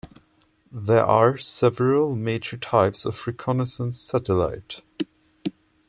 There are several major types of reconnaissance satellite.